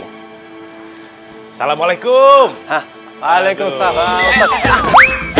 hai salamualaikum waalaikumsalam